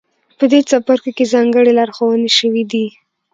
په دې څپرکو کې ځانګړې لارښوونې شوې دي.